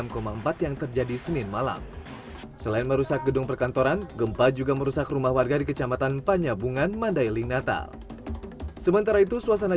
kondisi gedung kantor samsat